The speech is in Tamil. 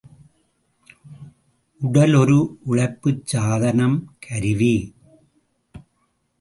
உடல், ஒரு உழைப்புச் சாதனம் கருவி.